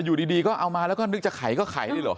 อยู่ดีก็เอามาหนึ่งจะไขก็ไขเลยหรอ